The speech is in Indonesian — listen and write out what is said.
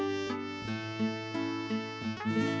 atau tekossip muka didmat truk pake kain pegi